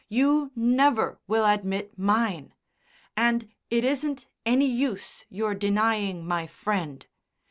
You never will admit mine; and it isn't any use your denying my Friend.